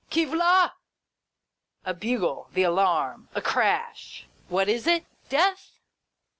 Qui v'la ]" a bugle, the alarm, a crash ! What is it ? Death